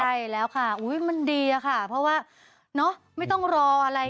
ใช่แล้วค่ะมันดีอะค่ะเพราะว่าเนอะไม่ต้องรออะไร